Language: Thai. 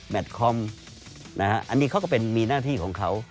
แมทคอมอันนี้เขาก็มีหน้าที่ของเขา